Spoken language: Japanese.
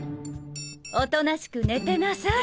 おとなしく寝てなさい！